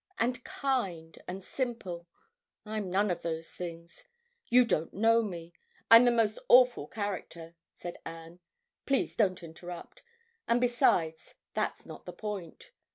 and kind and simple. I'm none of those things. You don't know me. I'm the most awful character," said Anne. "Please don't interrupt. And besides, that's not the point.